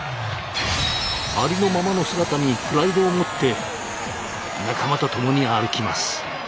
ありのままの姿にプライドを持って仲間と共に歩きます。